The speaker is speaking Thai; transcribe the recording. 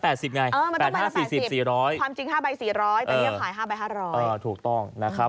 เออมันต้องมาละ๘๐บาทความจริง๕ใบ๔๐๐แต่นี่จะขาย๕ใบ๕๐๐นะครับถูกต้อง